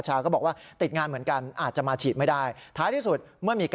แล้วก็พูดถึงเรื่องของความหนุ่มความแกหล่กของท่านนี่แหละ